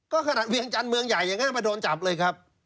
ก็ขนาดเวียงจันทร์เมืองใหญ่อย่างนั้นมาโดนจับเลยครับ